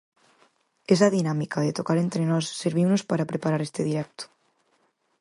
Esa dinámica de tocar entre nós serviunos para preparar este directo.